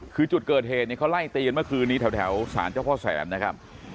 คือจุดเกิดเหตุเนี่ยเขาไล่ตีกันเมื่อคืนนี้แถวสารเจ้าพ่อแสนนะครับ